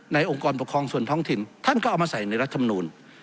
องค์กรปกครองส่วนท้องถิ่นท่านก็เอามาใส่ในรัฐมนูล